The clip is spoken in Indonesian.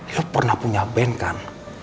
dia pernah punya band kan